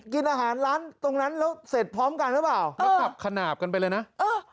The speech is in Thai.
กินอาหารร้านตรงนั้นแล้วเสร็จพร้อมกันหรือเปล่าแล้วขับขนาบกันไปเลยนะเออ